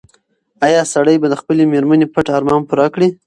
ایا سړی به د خپلې مېرمنې پټ ارمان پوره کړي؟